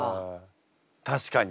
確かに。